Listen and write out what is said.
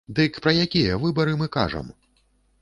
Дык пра якія выбары мы кажам?!